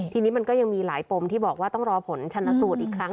ทีนี้มันก็ยังมีหลายปมที่บอกว่าต้องรอผลชนสูตรอีกครั้ง